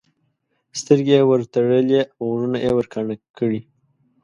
سترګې یې ورتړلې او غوږونه یې ورکاڼه کړي.